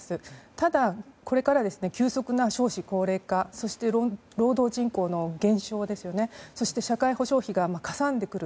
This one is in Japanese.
ただ、これから急速な少子高齢化そして、労働人口の減少そして社会保障費がかさんでくる。